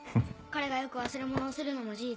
彼がよく忘れ物をするのも事実。